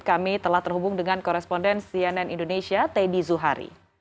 kami telah terhubung dengan koresponden cnn indonesia teddy zuhari